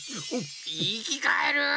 いきかえる！